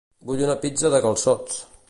Vull una pizza de calçots